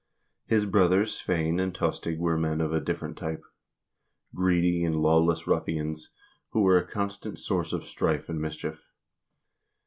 His brothers Sweyn and Tostig were men of a different type — greedy and lawless ruffians, who were a constant source of strife and mischief.